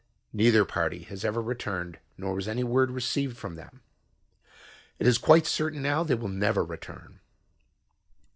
Neither party has ever returned nor was any word received from them. It is quite certain now that they will never return.